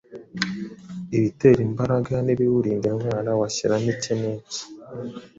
ibitera imbaraga n’ibiwurinda indwara, washyiramo iki n’iki?